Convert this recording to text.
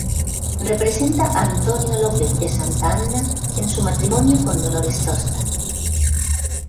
Representa a Antonio López de Santa Anna en su matrimonio con Dolores Tosta.